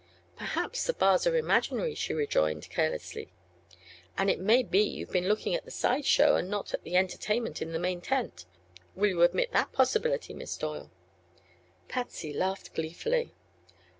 "Perhaps the bars are imaginary," she rejoined, carelessly, "and it may be you've been looking at the side show and not at the entertainment in the main tent. Will you admit that possibility, Miss Doyle?" Patsy laughed gleefully.